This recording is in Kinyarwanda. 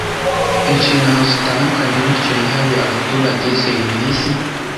inshingano zitandukanye bityo ntibahe abaturage serivisi